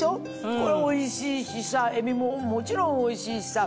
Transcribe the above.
これおいしいしさ海老ももちろんおいしいしさ。